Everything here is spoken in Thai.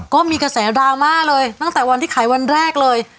ก็มีกระแสดราม่าเลยตั้งแต่วันที่ขายวันแรกเลย